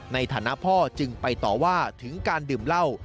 ในฐานะพ่อจึงไปต่อว่าถึงการดื่มเหล้า